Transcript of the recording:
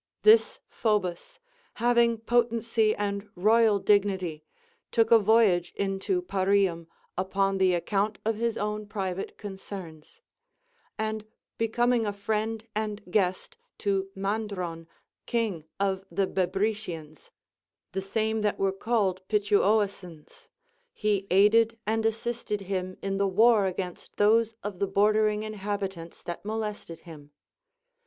This Phobus, having potency and royal dignity, took a voyage into Parium upon the account of his ΟΛνη private concerns ; and becoming a friend and guest to Mandron king of the Bebrycians, the same that \vere called Pituoes sans, he aided and assisted him in the war against those of the bordering inhabitants that molested him.